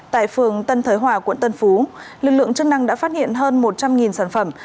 tại phường tân thới hòa quận tân phú lực lượng chức năng đã phát hiện hơn một trăm linh sản phẩm